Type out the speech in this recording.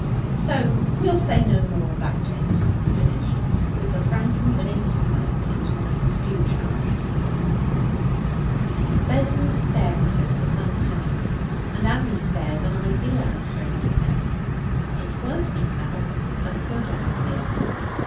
'So we'll say no more about it,' he finished, with the frank and winning smile that was one of his few charms. Vessons stared at him for some time, and, as he stared, an idea occurred to him. It was, he felt, a good idea.